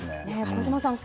小島さん